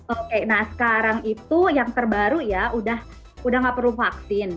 oke nah sekarang itu yang terbaru ya udah gak perlu vaksin